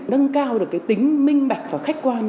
nâng cao được tính minh mạch và khách quan